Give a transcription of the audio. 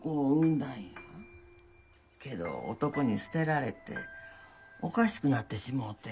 けど男に捨てられておかしくなってしもうて。